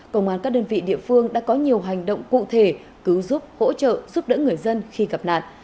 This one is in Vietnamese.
công an các đơn vị địa phương đã có nhiều hành động cụ thể cứu giúp hỗ trợ giúp đỡ người dân khi gặp nạn